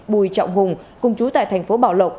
bùi trọng hùng cùng chú tại thành phố bảo lộc